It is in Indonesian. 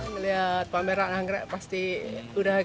melihat pameran anggrek pasti sudah ganteng